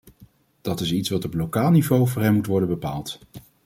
Dat is iets wat op lokaal niveau voor hen moet worden bepaald.